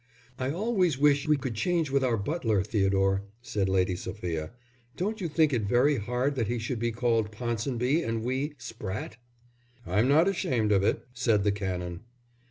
"I always wish we could change with our butler, Theodore," said Lady Sophia. "Don't you think it's very hard that he should be called Ponsonby, and we Spratte?" "I'm not ashamed of it," said the Canon.